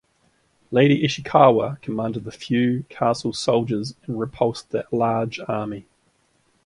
Lady Ichikawa commanded the few castle soldiers and repulsed the large army.